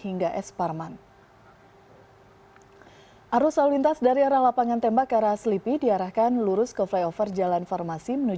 hingga ke jalan perjalanan ke jalan perjalanan ke jalan perjalanan